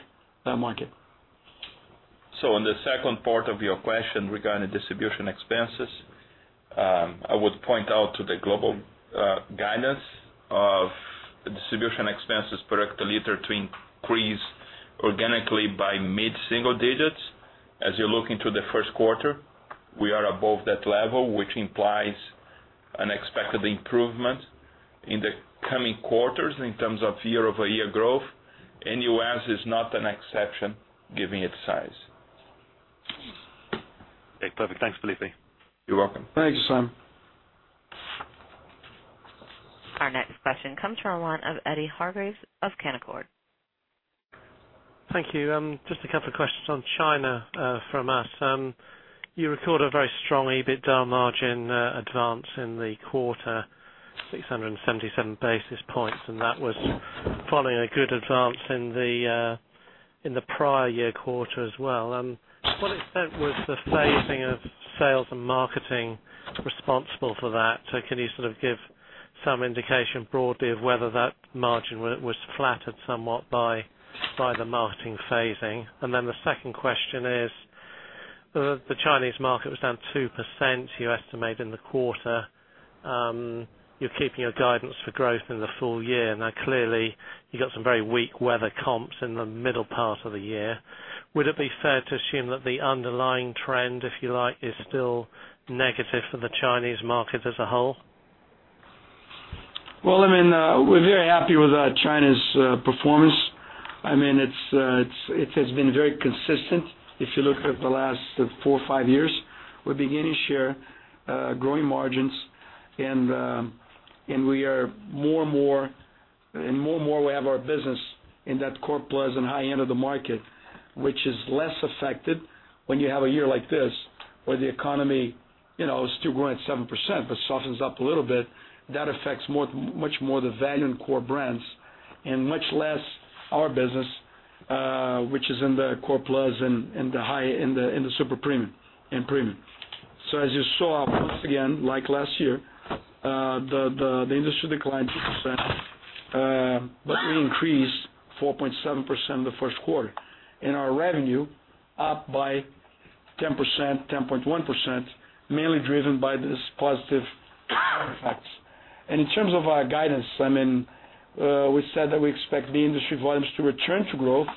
market. In the second part of your question regarding the distribution expenses, I would point out to the global guidance of distribution expenses per hectoliter to increase organically by mid-single digits. As you look into the first quarter, we are above that level, which implies an expected improvement in the coming quarters in terms of year-over-year growth. U.S. is not an exception, given its size. Okay, perfect. Thanks, Felipe. You're welcome. Thank you, Simon. Our next question comes from the line of Eddy Hargreaves of Canaccord Genuity. Thank you. Just a couple of questions on China from us. You recorded a very strong EBITDA margin advance in the quarter, 677 basis points, and that was following a good advance in the prior year quarter as well. To what extent was the phasing of sales and marketing responsible for that? Can you sort of give some indication broadly of whether that margin was flattered somewhat by the marketing phasing? The second question is, the Chinese market was down 2%, you estimate, in the quarter. You're keeping your guidance for growth in the full year. Clearly, you got some very weak weather comps in the middle part of the year. Would it be fair to assume that the underlying trend, if you like, is still negative for the Chinese market as a whole? Well, we're very happy with China's performance. It has been very consistent if you look at the last four or five years. We're gaining share, growing margins, and more and more, we have our business in that core plus and high end of the market, which is less affected when you have a year like this, where the economy is still growing at 7% but softens up a little bit. That affects much more the value in core brands and much less our business, which is in the core plus and the super premium and premium. As you saw, once again, like last year, the industry declined 2%, but we increased 4.7% in the first quarter. Our revenue up by 10%, 10.1%, mainly driven by these positive effects. In terms of our guidance, we said that we expect the industry volumes to return to growth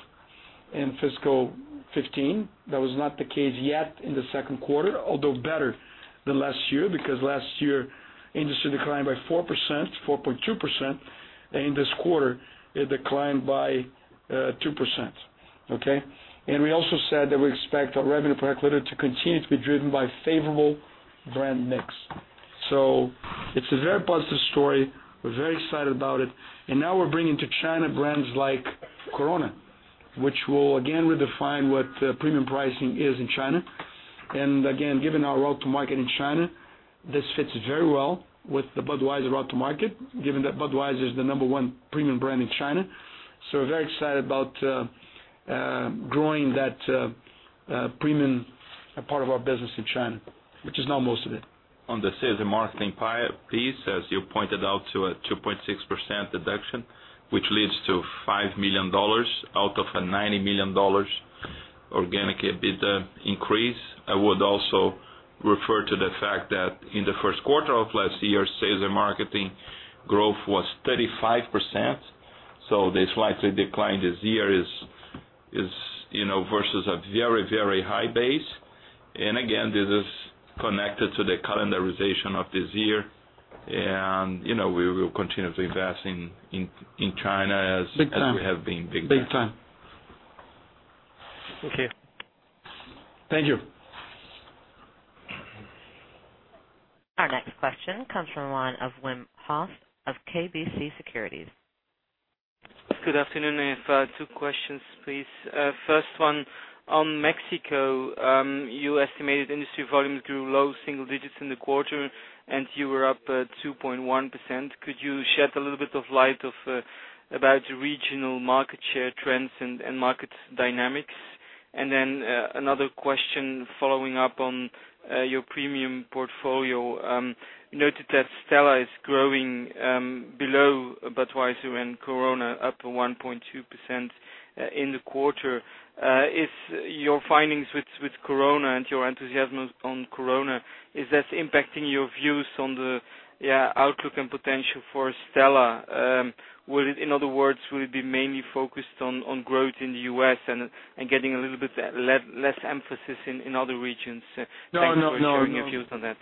in fiscal 2015. That was not the case yet in the second quarter, although better than last year, because last year, industry declined by 4%, 4.2%, and this quarter it declined by 2%. Okay? We also said that we expect our revenue per hectoliter to continue to be driven by favorable brand mix. It's a very positive story. We're very excited about it. Now we're bringing to China brands like Corona, which will again redefine what premium pricing is in China. Again, given our route to market in China, this fits very well with the Budweiser route to market, given that Budweiser is the number one premium brand in China. We're very excited about growing that premium part of our business in China, which is now most of it. On the sales and marketing piece, as you pointed out to a 2.6% deduction, which leads to $5 million out of a $90 million organic EBITDA increase, I would also refer to the fact that in the first quarter of last year, sales and marketing growth was 35%. The slight decline this year is versus a very, very high base. Again, this is connected to the calendarization of this year. We will continue to invest in China. Big time. We have been. Big time. Okay. Thank you. Our next question comes from the line of Wim Hoste of KBC Securities. Good afternoon. I have two questions, please. First one, on Mexico, you estimated industry volumes grew low single digits in the quarter, and you were up 2.1%. Could you shed a little bit of light about regional market share trends and market dynamics? Another question following up on your premium portfolio. Noted that Stella is growing below Budweiser and Corona, up 1.2% in the quarter. Is your findings with Corona and your enthusiasm on Corona, is this impacting your views on the outlook and potential for Stella? In other words, will it be mainly focused on growth in the U.S. and getting a little bit less emphasis in other regions? No. Thank you for sharing your views on that.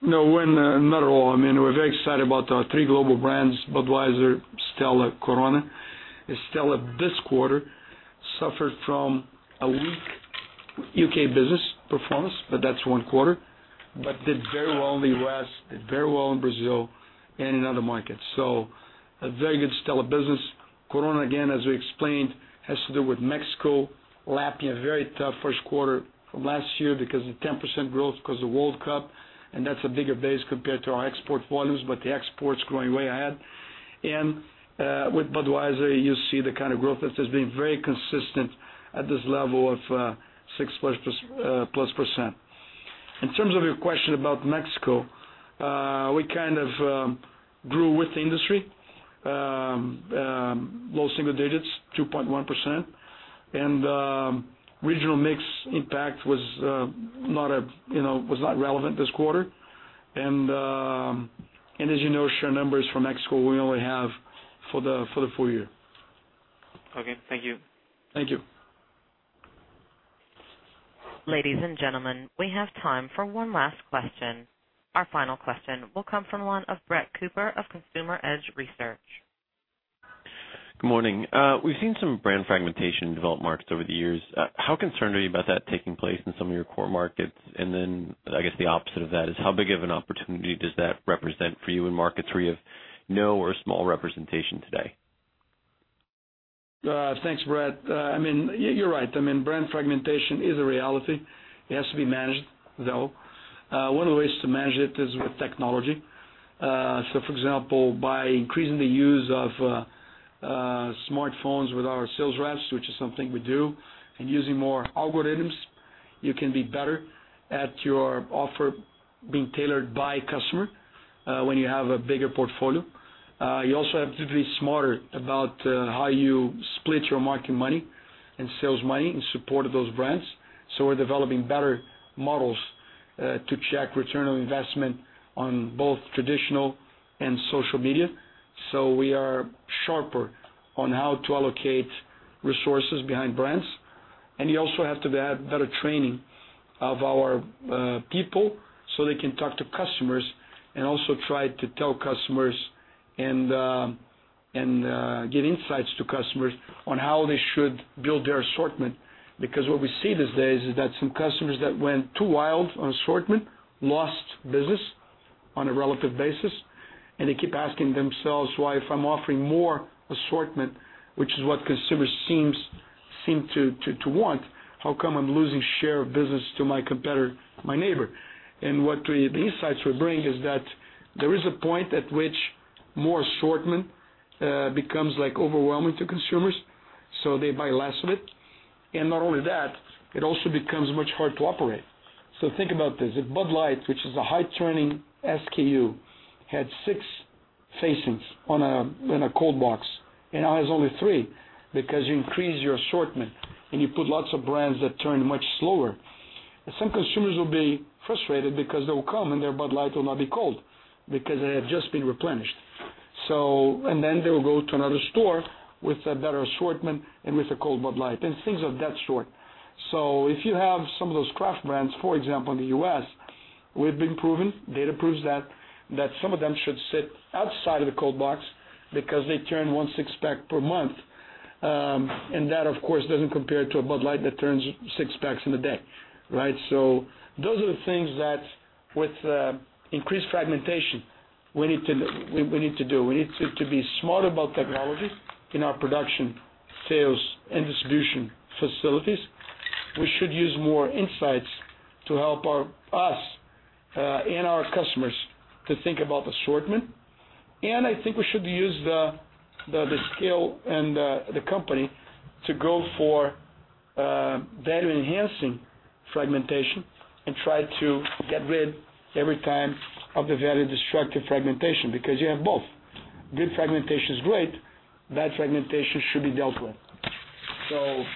No, Wim, not at all. We're very excited about our three global brands, Budweiser, Stella, Corona. Stella this quarter suffered from a weak U.K. business performance, that's one quarter. Did very well in the U.S., did very well in Brazil, and in other markets. A very good Stella business. Corona, again, as we explained, has to do with Mexico lapping a very tough first quarter from last year because of 10% growth because of World Cup, and that's a bigger base compared to our export volumes. The export's growing way ahead. With Budweiser, you see the kind of growth that has been very consistent at this level of 6 plus percent. In terms of your question about Mexico, we kind of grew with the industry, low single digits, 2.1%, and regional mix impact was not relevant this quarter. As you know, share numbers from Mexico, we only have for the full year. Okay. Thank you. Thank you. Ladies and gentlemen, we have time for one last question. Our final question will come from the one of Brett Cooper of Consumer Edge Research. Good morning. We've seen some brand fragmentation in developed markets over the years. How concerned are you about that taking place in some of your core markets? I guess the opposite of that is, how big of an opportunity does that represent for you in markets where you have no or small representation today? Thanks, Brett. You're right. Brand fragmentation is a reality. It has to be managed, though. One of the ways to manage it is with technology. For example, by increasing the use of smartphones with our sales reps, which is something we do, and using more algorithms, you can be better at your offer being tailored by customer, when you have a bigger portfolio. You also have to be smarter about how you split your marketing money and sales money in support of those brands. We're developing better models to check return on investment on both traditional and social media. We are sharper on how to allocate resources behind brands. You also have to have better training of our people so they can talk to customers and also try to tell customers and give insights to customers on how they should build their assortment. Because what we see these days is that some customers that went too wild on assortment lost business on a relative basis, and they keep asking themselves, "Why, if I'm offering more assortment, which is what consumers seem to want, how come I'm losing share of business to my competitor, my neighbor?" What the insights we're bringing is that there is a point at which more assortment becomes overwhelming to consumers, so they buy less of it. Not only that, it also becomes much hard to operate. Think about this. If Bud Light, which is a high-turning SKU, had six facings in a cold box and now has only three because you increase your assortment and you put lots of brands that turn much slower, some consumers will be frustrated because they will come and their Bud Light will not be cold because it had just been replenished. They will go to another store with a better assortment and with a cold Bud Light, and things of that sort. If you have some of those craft brands, for example, in the U.S., we've been proven, data proves that some of them should sit outside of the cold box because they turn one six-pack per month. That, of course, doesn't compare to a Bud Light that turns six-packs in a day, right? Those are the things that with increased fragmentation, we need to do. We need to be smart about technology in our production, sales, and distribution facilities. We should use more insights to help us and our customers to think about assortment. I think we should use the scale and the company to go for value-enhancing fragmentation and try to get rid every time of the value-destructive fragmentation, because you have both. Good fragmentation is great. Bad fragmentation should be dealt with.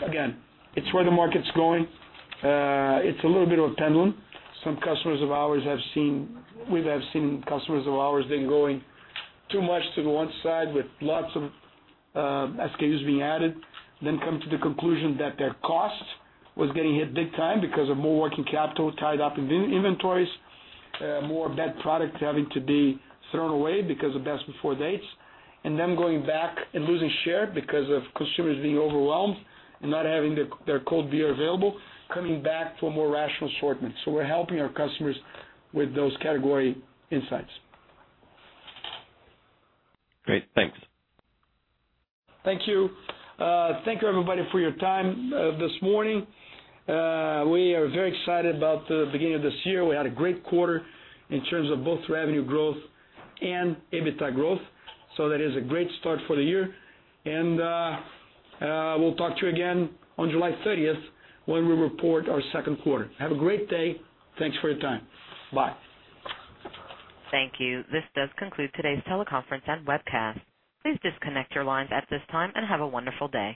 Again, it's where the market's going. It's a little bit of a pendulum. We have seen customers of ours then going too much to the one side with lots of SKUs being added, then come to the conclusion that their cost was getting hit big time because of more working capital tied up in inventories, more of that product having to be thrown away because of best before dates. Them going back and losing share because of consumers being overwhelmed and not having their cold beer available, coming back to a more rational assortment. We're helping our customers with those category insights. Great. Thanks. Thank you. Thank you, everybody, for your time this morning. We are very excited about the beginning of this year. We had a great quarter in terms of both revenue growth and EBITDA growth. That is a great start for the year. We'll talk to you again on July 30th when we report our second quarter. Have a great day. Thanks for your time. Bye. Thank you. This does conclude today's teleconference and webcast. Please disconnect your lines at this time and have a wonderful day.